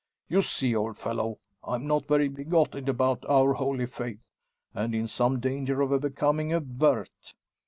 You see, old fellow, I'm not very bigoted about our Holy Faith, and in some danger of becoming a `vert.'